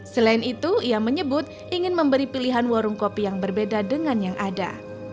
selain itu ia menyebut ingin memberi pilihan warung kopi yang berbeda dengan yang ada